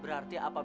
berarti apa bedanya